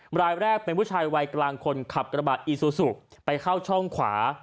รายแรกเป็นผู้ชายวัยกลางคนขับกระบะอีซูซูไปเข้าช่องขวา